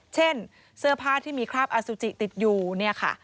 เช่นเสื้อผ้าที่มีคราบอสุจิติดอยู่เนี่ยค่ะ